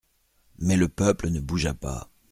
Mais le peuple ne bougea pas.